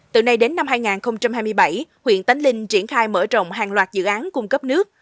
từ nay đến năm hai nghìn hai mươi bảy huyện tánh linh triển khai mở rộng hàng loạt dự án cung cấp nước